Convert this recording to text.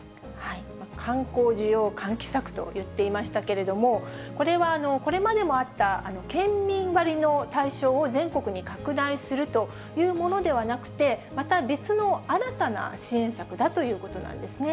観光需要喚起策と言っていましたけれども、これはこれまでもあった県民割の対象を全国に拡大するというものではなくて、また別の新たな支援策だということなんですね。